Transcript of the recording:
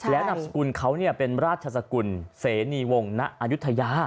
และอันดับสควรเขาเนี่ยเป็นราชสกุลเสนีวงนะอยุทยา